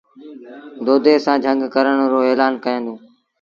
دودي سآݩ جھنگ ڪرڻ رو ايلآن ڪيآݩدوݩ ۔